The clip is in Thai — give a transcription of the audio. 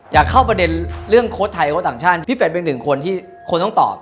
อยากเข้าประเด็นเรื่องโค้ดไทยโค้ดต่างชาติพี่เป็นหนึ่งคนที่คนต้องตอบ